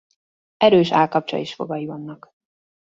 Erős állkapcsa és fogai vannak.